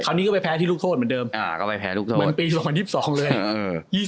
คราวนี้ก็ไปแพ้ที่ลูกโทษเหมือนเดิมมันปี๒๐๒๒เลย